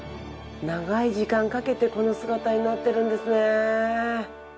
長い時間かけてこの姿になってるんですねえ。